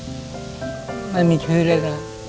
ลุงผมก็เป็นโรคจิตเวชอะครับ